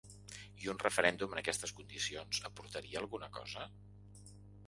I un referèndum en aquestes condicions aportaria alguna cosa?